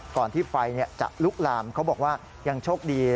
ที่ไฟจะลุกลามเขาบอกว่ายังโชคดี